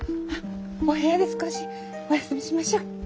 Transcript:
お部屋で少しお休みしましょう。